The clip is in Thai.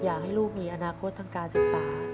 อยากให้ลูกมีอนาคตทางการศึกษา